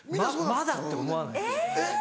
「まだ」って思わないんです。